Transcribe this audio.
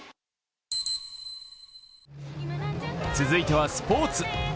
続いてスポーツ。